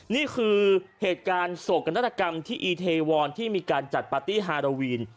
นี่คือเหตุการณ์โศกนาฏกรรมที่อีเทวอนที่มีการจัดปาร์ตี้ฮาราวีน